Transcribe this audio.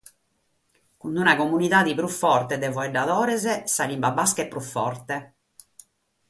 Cun una comunidade prus forte de faeddadores, sa limba basca est prus forte.